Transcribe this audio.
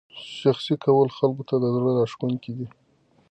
شخصي کول خلکو ته زړه راښکونکی دی.